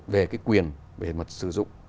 về cái quyền về mặt sử dụng